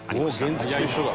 原付きと一緒だ。